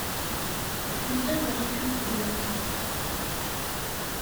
Ḥemmleɣ rriḥa n tegrest.